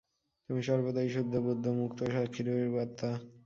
তুমি সর্বদাই শুদ্ধ বুদ্ধ মুক্ত সাক্ষিস্বরূপ আত্মা।